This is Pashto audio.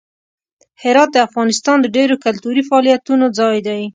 هرات د افغانستان د ډیرو کلتوري فعالیتونو ځای دی.